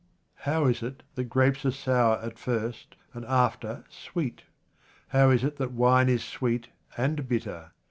How is it that grapes are sour at first, and after sweet ? How is it that wine is sweet and bitter